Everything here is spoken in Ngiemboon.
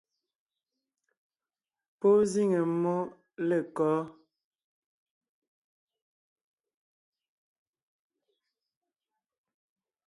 Pɔ́ zíŋe mmó lêkɔ́?